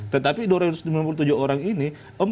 tetapi dua ratus lima puluh tujuh orang ini